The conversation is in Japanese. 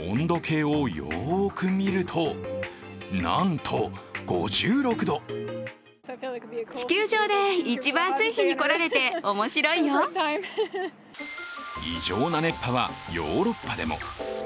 温度計をよく見ると、なんと５６度異常な熱波はヨーロッパでも。